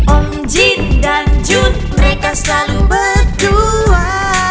omjin dan jun mereka selalu berdua